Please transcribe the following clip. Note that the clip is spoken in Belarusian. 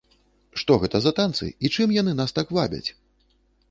Што гэта за танцы і чым яны нас так вабяць?